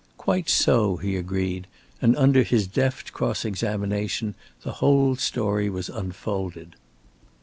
"Quite so," he agreed, and under his deft cross examination the whole story was unfolded.